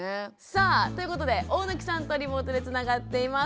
さあということで大貫さんとリモートでつながっています。